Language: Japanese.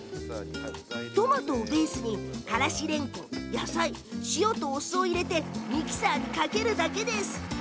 トマトをベースにからしれんこん、野菜、塩と酢を入れてミキサーにかけるだけ。